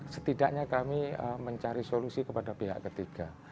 setidaknya kami mencari solusi kepada pihak ketiga